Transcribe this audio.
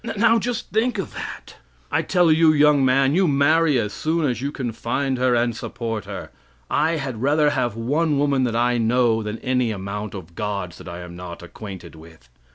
Now, just think of that! I tell you, young man, you marry as soon as you can find her and support her. I had rather have one woman that I know than any amount of gods that I am not acquainted with.